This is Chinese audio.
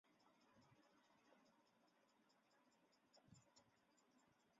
国家委员会很快的被呼吁将南奥塞梯并入苏维埃的布尔什维克党人所控制。